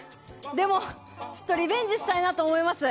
でもリベンジしたいなと思います。